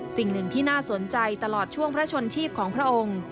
สิ่งหนึ่งที่น่าสนใจตลอดช่วงพระชนชีพของพระองค์